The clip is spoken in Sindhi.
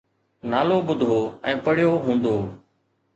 نالو ٻڌو ۽ پڙهيو هوندو